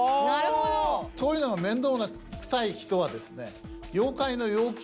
そういうのが面倒くさい人はですね。